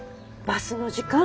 バスの時間。